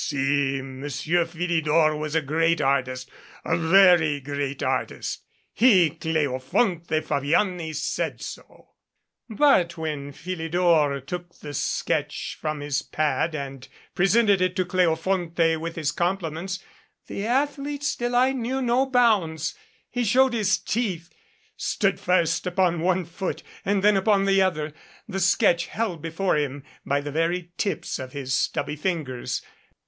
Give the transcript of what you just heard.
Si, Monsieur Philidor was a great artist a very great art ist. He, Cleofonte Fabiani, said so. But when Philidor took the sketch from his pad and presented it to Cleofonte with his compliments, the ath lete's delight knew no bounds. He showed his teeth, and stood first upon one foot and then upon the other, the sketch held before him by the very tips of his stubby fingers.